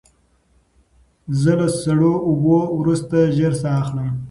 زه له سړو اوبو وروسته ژر ساه اخلم.